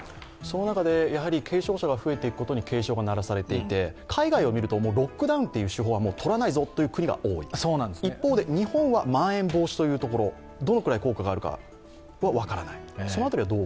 その中で軽症者が増えていくことに警鐘が鳴らされていて海外を見るとロックダウンという手法はとらないぞという国が多い、一方で日本はまん延防止というところどのくらい効果があるか分からない。